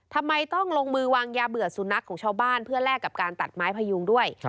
ทำไมต้องลงมือวางยาเบื่อสุนัขของชาวบ้านเพื่อแลกกับการตัดไม้พยุงด้วย